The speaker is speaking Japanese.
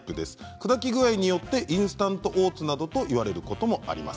砕き具合によってインスタントオーツなどと言われることもあります。